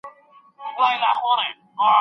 مرور سهار به خامخا ستنېږي